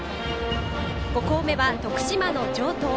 ５校目は徳島の城東。